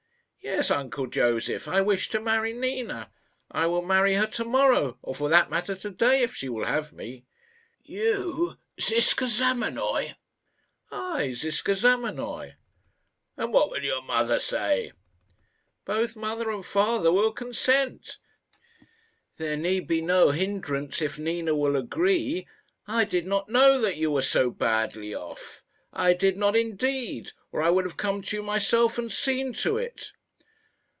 "Yes, uncle Josef. I wish to marry Nina. I will marry her to morrow or, for that matter, to day if she will have me." "You! Ziska Zamenoy!" "I, Ziska Zamenoy." "And what would your mother say?" "Both father and mother will consent. There need be no hindrance if Nina will agree. I did not know that you were so badly off. I did not indeed, or I would have come to you myself and seen to it."